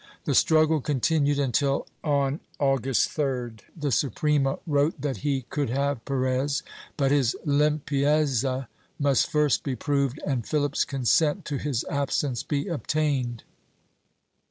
The struggle continued until, on August 3d, the Suprema wrote that he could have Perez, but his limpieza must first be proved and Philip's consent to his absence be obtained.